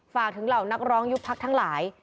ฝากถึงเหล่านักร้องยุบพักทั้งหลาย